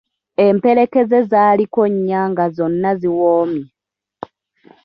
Emperekeze zaaliko nnya nga zonna ziwoomye.